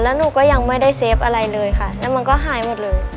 แล้วหนูก็ยังไม่ได้เซฟอะไรเลยค่ะแล้วมันก็หายหมดเลย